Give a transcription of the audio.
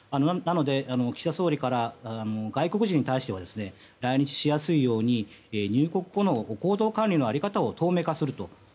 なので、岸田総理から外国人に対しては来日しやすいように入国後の行動管理の在り方を透明化すると。